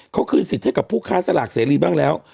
เขาคืนสิทธิ์ให้กับผู้ค้าสลากเสรีบ้างแล้ว